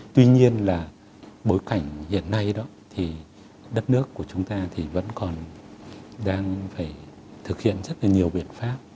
tuy nhiên là bối cảnh hiện nay đó thì đất nước của chúng ta thì vẫn còn đang phải thực hiện rất là nhiều biện pháp